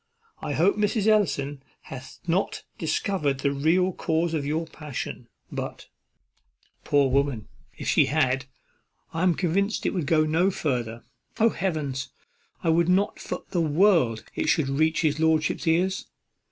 I hope Mrs. Ellison hath not discovered the real cause of your passion; but, poor woman, if she had, I am convinced it would go no farther. Oh, Heavens! I would not for the world it should reach his lordship's ears.